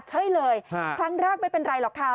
ใช่เลยครั้งแรกไม่เป็นไรหรอกค่ะ